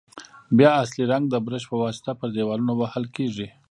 بیا اصلي رنګ د برش په واسطه پر دېوالونو وهل کیږي.